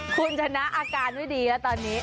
คุณชนะอาการไม่ดีแล้วตอนนี้